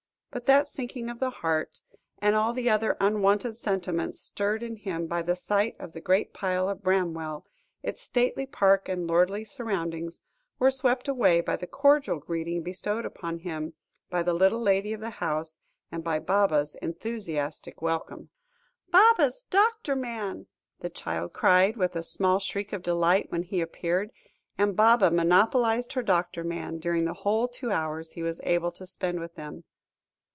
But that sinking of the heart, and all the other unwonted sentiments stirred in him by the sight of the great pile of Bramwell, its stately park and lordly surroundings, were swept away by the cordial greeting bestowed upon him, by the little lady of the house, and by Baba's enthusiastic welcome. "Baba's doctor man," the child cried, with a small shriek of delight when he appeared, and Baba monopolised her doctor man during the whole two hours he was able to spend with them.